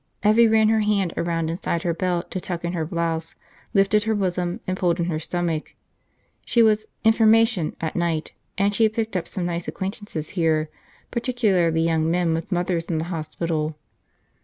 Evvie ran her hand around inside her belt to tuck in her blouse, lifted her bosom, and pulled in her stomach. She was "Information" at night and she had picked up some nice acquaintances here, particularly young men with mothers in the hospital.